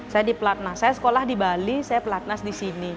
saya sekolah di bali saya platnas di sini